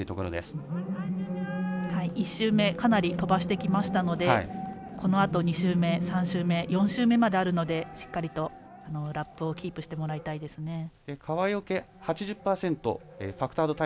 １周目かなり飛ばしてきたのでこのあと２周目、３周目４周目まであるのでしっかりとラップをキープしてもらいたいですね。